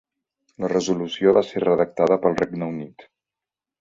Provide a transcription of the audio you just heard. La resolució va ser redactada pel Regne Unit.